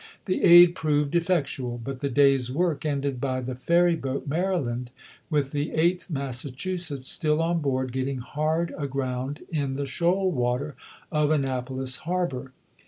The aid proved effectual ; but the day's work ended by the ferry boat Maryland, with the Eighth Massachusetts still on board, getting hard aground in the shoal water of Annapolis harbor.